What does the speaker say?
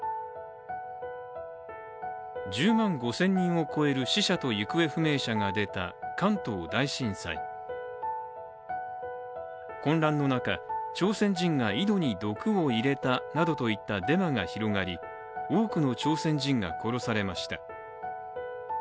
１０万５０００人を超える死者と行方不明者が出た関東大震災、混乱の中朝鮮人が井戸に毒を入れたなどといったデマが広がり、多くの朝鮮人が殺されました。